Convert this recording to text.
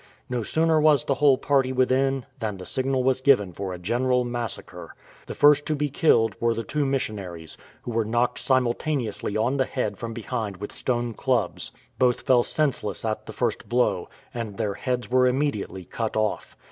No sooner was the whole party within than the signal was given for a general massacre. The first to be killed were the two missionaries, who were knocked simultaneously on the head from behind with stone clubs. Both fell sense less at the first blow, and their heads were immediately cut off.